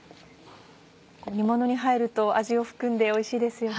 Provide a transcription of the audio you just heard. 煮ものに入ると味を含んでおいしいですよね。